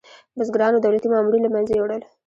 بزګرانو دولتي مامورین له منځه یوړل.